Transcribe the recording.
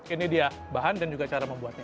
ini dia bahan dan juga cara membuatnya